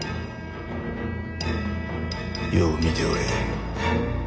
よう見ておれ